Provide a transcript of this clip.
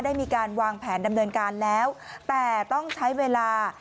ได้มีการวางแผนดำเนินการแล้วแต่ต้องใช้เวลา